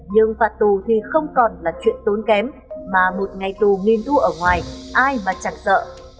nhưng phạt tù thì không còn là chuyện tốn kém mà một ngày tù nghìn thua ở ngoài ai mà chẳng sợ